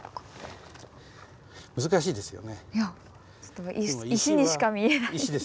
難しいですよね。